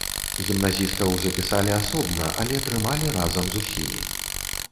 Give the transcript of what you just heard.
Гімназістаў запісалі асобна, але трымалі разам з усімі.